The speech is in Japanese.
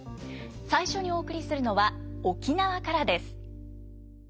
最初にお送りするのは沖縄からです。